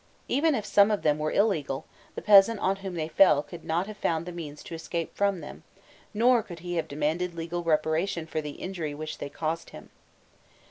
Even if some of them were illegal, the peasant on whom they fell could not have found the means to escape from them, nor could he have demanded legal reparation for the injury which they caused him.